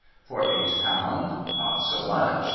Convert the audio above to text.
For eight pound ? Not so much.